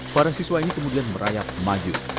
para siswa ini kemudian merayap maju